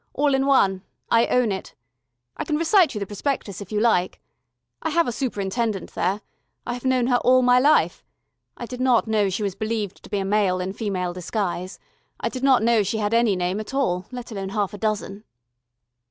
All in one. I own it. I can recite you the prospectus if you like. I have a superintendent there. I have known her all my life. I did not know she was believed to be a male in female disguise. I did not know she had any name at all, let alone half a dozen."